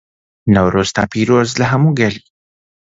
نەورۆز پیرۆزبێت لە هەموو گەلی